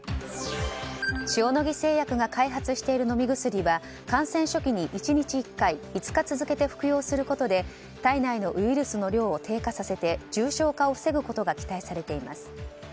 塩野義製薬が開発している飲み薬は感染初期に１日１回５日続けて服用することで体内のウイルスの量を低下させて重症化を防ぐことが期待されています。